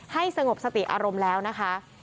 สงบสติอารมณ์แล้วนะคะ